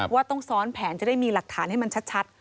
ว่าต้องซ้อนแผนจะได้มีหลักฐานให้มันชัด